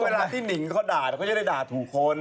เวลาที่หนิงเขาด่าเขาจะได้ด่าถูกคน